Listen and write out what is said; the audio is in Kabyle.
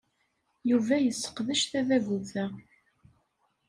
Yuba yesseqdec tadabut-a.